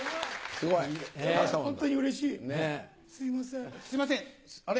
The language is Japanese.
すいませんあれ。